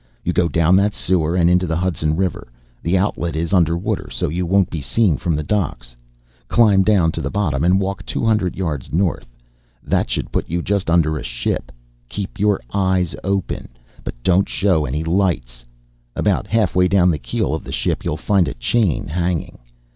You go down that sewer and into the Hudson River. The outlet is under water, so you won't be seen from the docks. Climb down to the bottom and walk 200 yards north, that should put you just under a ship. Keep your eyes open, but don't show any lights! About halfway down the keel of the ship you'll find a chain hanging.